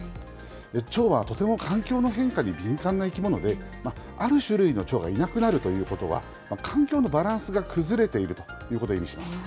チョウはとても環境の変化に敏感な生き物で、ある種類のチョウがいなくなるということは、環境のバランスが崩れているということを意味します。